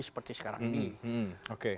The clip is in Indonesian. seperti sekarang ini